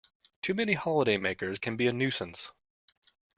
Too many holidaymakers can be a nuisance